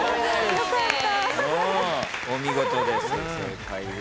よかった。